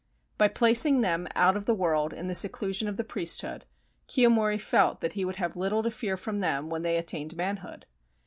By placing them out of the world in the seclusion of priesthood, Kiyomori felt that he would have little to fear from them when they attained manhood.